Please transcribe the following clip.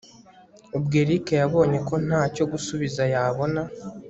ubwo erick yabonye ko ntacyo gusubiza yabona